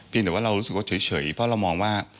แต่ว่าเรารู้สึกว่าเฉยเพราะเรามองว่า